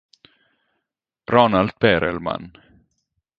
Ronald Perelman